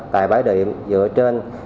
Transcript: tại bãi điểm dựa trên